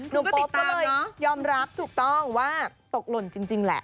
หนุ่มโป๊ปก็เลยยอมรับถูกต้องว่าตกหล่นจริงแหละ